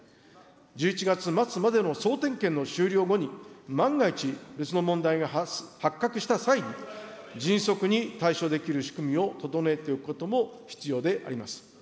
１１月末までの総点検の終了後に、万が一、別の問題が発覚した際に、迅速に対処できる仕組みを整えておくことも必要であります。